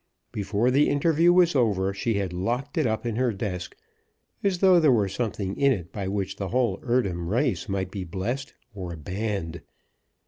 Before the interview was over she had locked it up in her desk, as though there were something in it by which the whole Eardham race might be blessed or banned.